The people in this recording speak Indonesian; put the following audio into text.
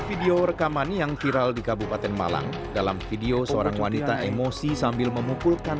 video rekaman yang viral di kabupaten malang dalam video seorang wanita emosi sambil memukulkan